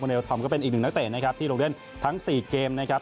เลลธรรมก็เป็นอีกหนึ่งนักเตะนะครับที่ลงเล่นทั้ง๔เกมนะครับ